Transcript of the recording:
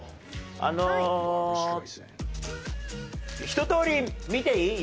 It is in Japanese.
ひと通り見ていい？